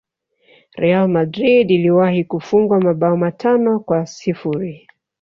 Real Madrid iliwahi kufungwa mabao matano kwa sifuri